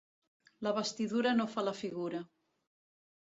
La vestidura no fa la figura.